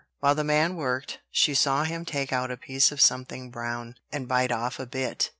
While the man worked, she saw him take out a piece of something brown, and bite off a bit.